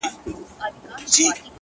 د انسان ارزښت په ګټه رسولو اندازه کېږي.!